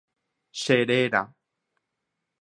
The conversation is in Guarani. Cheréra.